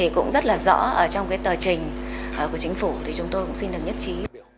cũng rất rõ trong tờ trình của chính phủ chúng tôi xin được nhất trí